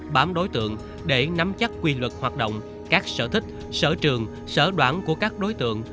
bám đối tượng để nắm chắc quy luật hoạt động các sở thích sở trường sở đoán của các đối tượng